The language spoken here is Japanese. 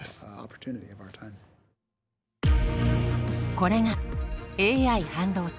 これがＡＩ半導体。